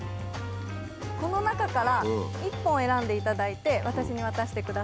この中から１本選んでいただいて私に渡してください。